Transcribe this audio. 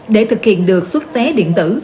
để thực hiện được xuất vé điện tử